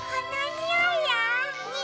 におい！